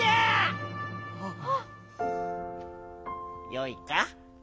よいか。